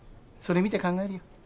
それ見て考えるよ。